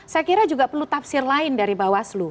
saya kira juga perlu tafsir lain dari bawaslu